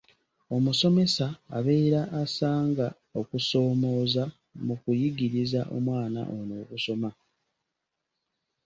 Omusomesa abeera asanga okusoomooza mu kuyigiriza omwana ono okusoma.